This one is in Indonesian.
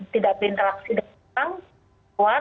tidak berinteraksi dengan orang